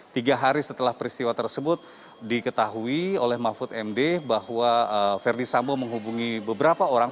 tiga hari setelah peristiwa tersebut diketahui oleh mahfud md bahwa verdi sambo menghubungi beberapa orang